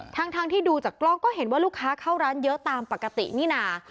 ทั้งที่ดูจากกล้องก็เห็นว่าลูกค้าเข้าร้านเยอะตามปกตินี่นา